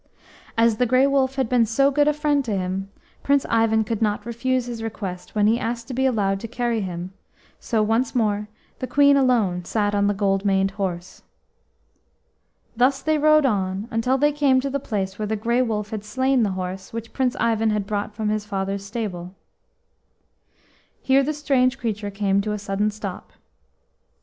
As the Grey Wolf had been so good a friend to him, Prince Ivan could not refuse his request when he asked to be allowed to carry him, so once more the Queen alone sat on the gold maned horse. Thus they rode on until they came to the place where the Grey Wolf had slain the horse which Prince Ivan had brought from his father's stable. Here the strange creature came to a sudden stop.